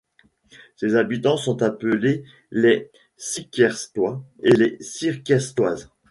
Ses habitants sont appelés les Sickertois et les Sickertoises.